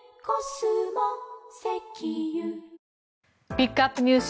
ピックアップＮＥＷＳ